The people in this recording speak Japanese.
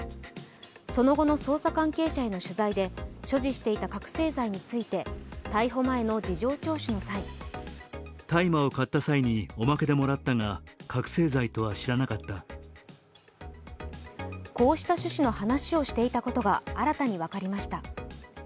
その後の捜査関係者への取材で所持していた覚醒剤について逮捕前の事情聴取の際こうした趣旨の話をしていたことが新たに分かりました。